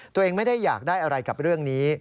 ตัวเองไม่ได้อยากได้อะไรกับเรื่องนี้